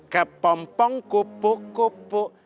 kepompong kupu kupu